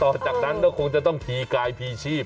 หลังจากนั้นก็คงจะต้องพีกายพีชีพ